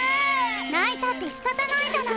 泣いたって仕方ないじゃない。